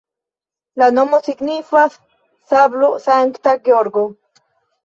La nomo signifas: sablo-Sankta Georgo.